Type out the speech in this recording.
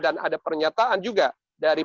dan ada pernyataan juga dari